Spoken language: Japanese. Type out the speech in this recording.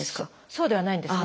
そうではないんですね。